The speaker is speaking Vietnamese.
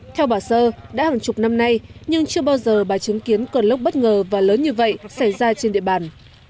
theo bà sơ đã hàng chục năm nay nhưng chưa bao giờ bà chứng kiến cơn lốc bất ngờ và lớn như vậy xảy ra trên địa bàn